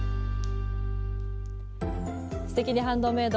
「すてきにハンドメイド」